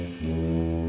silakan pak komar